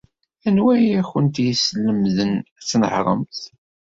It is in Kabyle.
Anwa ay awent-yeslemden ad tnehṛemt?